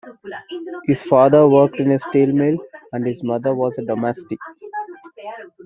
His father worked in a steel mill and his mother was a domestic.